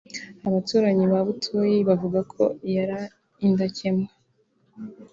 Abaturanyi ba Butoyi bavuga ko yari indakemwa